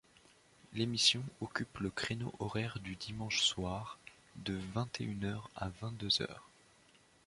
L'émission occupe le créneau horaire du dimanche soir, de vingt-et-une heures à ving-deux heures.